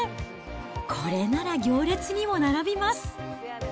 これなら行列にも並びます。